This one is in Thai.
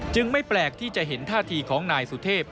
ไม่แปลกที่จะเห็นท่าทีของนายสุเทพ